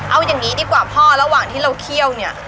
เอาอย่างนี้ดีกว่าพ่อระหว่างที่เราเคี่ยวเนี่ย